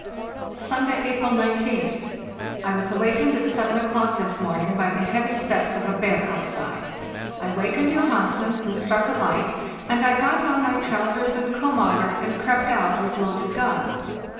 "Sunday, April rg9th. I was awakened at 7 o'clock this morning by the heavy steps of a bear outside. I wakened Johansen, who struck a light, and I got on my trousers and 'komager' and crept out with loaded gun.